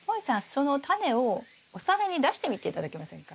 そのタネをお皿に出してみて頂けませんか？